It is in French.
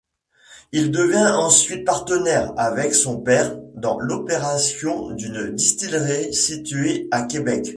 Il devint ensuite partenaire, avec son père, dans l'opération d'une distillerie située à Québec.